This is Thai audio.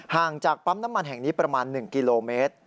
จากปั๊มน้ำมันแห่งนี้ประมาณ๑กิโลเมตร